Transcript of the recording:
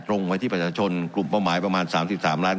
ตรงไว้ที่ประชาชนกลุ่มเป้าหมายประมาณ๓๓ล้าน